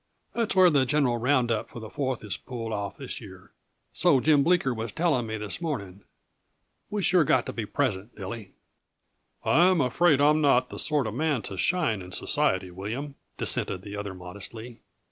That's where the general round up for the Fourth is pulled off this year so Jim Bleeker was telling me this morning. We sure got to be present, Dilly." "I'm afraid I'm not the sort of man to shine in society, William," dissented the other modestly.